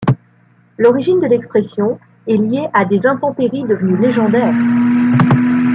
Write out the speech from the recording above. L'origine de l'expression est liée à des intempéries devenues légendaires:.